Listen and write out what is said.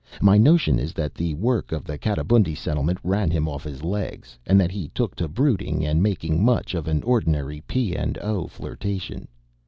My notion is that the work of the Katabundi Settlement ran him off his legs, and that he took to brooding and making much of an ordinary P. & O. flirtation.